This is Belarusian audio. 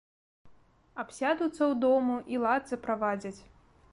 Абсядуцца ў дому і лад заправадзяць.